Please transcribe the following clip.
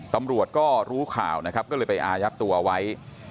ตำรวจก็รู้ข่าวนะครับก็เลยไปอายัดตัวเอาไว้